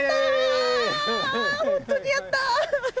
本当にやった！